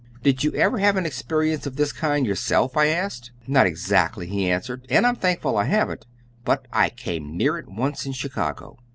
"Did you ever have an experience of this kind yourself?" I asked. "Not exactly," he answered, "and I'm thankful I haven't, but I came near it once in Chicago.